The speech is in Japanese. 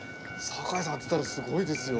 酒井さん当てたらすごいですよ。